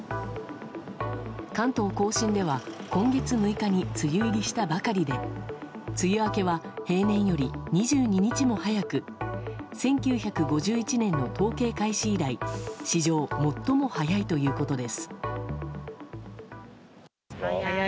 関東・甲信では、今月６日に梅雨入りしたばかりで梅雨明けは平年より２２日も早く１９５１年の統計開始以来史上最も早いということです。